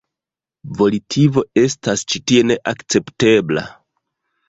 Volitivo estas ĉi tie neakceptebla.